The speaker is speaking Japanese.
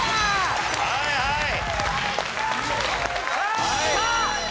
はいはい。